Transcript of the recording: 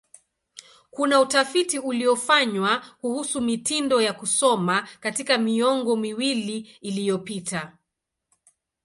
Kuna utafiti uliofanywa kuhusu mitindo ya kusoma katika miongo miwili iliyopita.